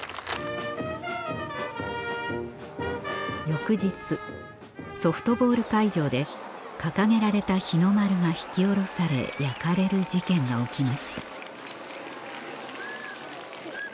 翌日ソフトボール会場で掲げられた日の丸が引き下ろされ焼かれる事件が起きました